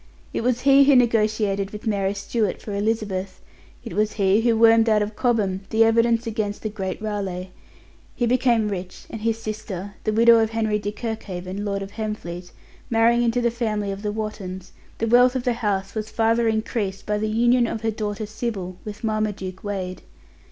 It was he who negotiated with Mary Stuart for Elizabeth; it was he who wormed out of Cobham the evidence against the great Raleigh. He became rich, and his sister (the widow of Henry de Kirkhaven, Lord of Hemfleet) marrying into the family of the Wottons, the wealth of the house was further increased by the union of her daughter Sybil with Marmaduke Wade.